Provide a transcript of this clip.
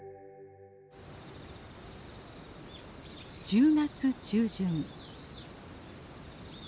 １０月中旬。